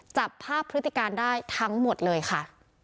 จับภาพพฤติการได้ทั้งหมดเลยค่ะ